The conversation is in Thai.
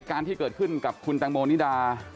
การที่เกิดขึ้นกับคุณแตงโมนิดา